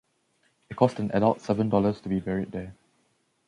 It cost an adult seven dollars to be buried there.